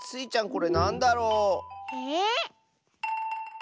これなんだろう？えっ？